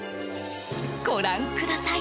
ご覧ください